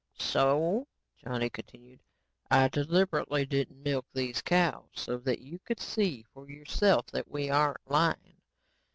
"So," Johnny continued, "I deliberately didn't milk these cows, so that you could see for yourself that we aren't lying.